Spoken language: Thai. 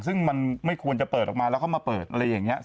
ซึ่งมันไม่ควรจะเปิดออกมาแล้วเข้ามาเปิดอะไรอย่างนี้